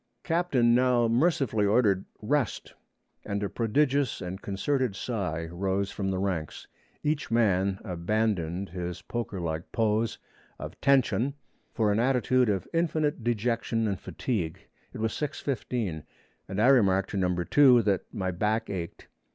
Captain now mercifully ordered, 'Rest,' and a prodigious and concerted sigh rose from the ranks. Each man abandoned his pokerlike pose of 'Ten shun' for an attitude of infinite dejection and fatigue. It was 6:15 and I remarked to Number 2 that my back ached.